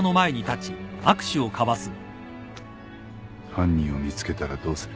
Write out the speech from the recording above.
犯人を見つけたらどうする。